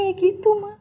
kayak gitu ma